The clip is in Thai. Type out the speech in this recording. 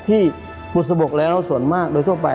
ที่บุโสะบกเราส่วนมากโดยทั่วไป